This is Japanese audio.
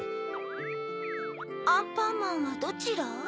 アンパンマンはどちら？